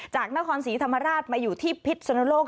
จากนครศรีธรรมราชมาอยู่ที่พิษสุนโลก